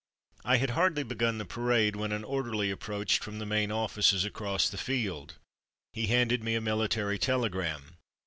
I had hardly begun the parade, when an orderly approached from the main offices across the field. He handed me a military telegram.